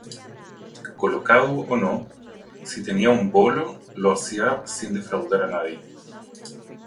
Colocado o no, si tenía un bolo lo hacía sin defraudar a nadie.